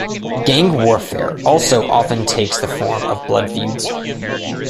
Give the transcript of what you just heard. Gang warfare also often takes the form of blood feuds.